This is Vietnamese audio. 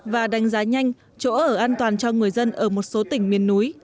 và đánh giá nhanh chỗ ở an toàn cho người dân ở một số tỉnh miền núi